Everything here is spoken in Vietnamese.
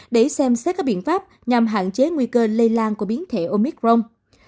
để xem xét các biện pháp nhằm hạn chế nguy cơ lây lan của biến thể omicron